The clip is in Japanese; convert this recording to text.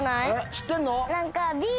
知ってんの？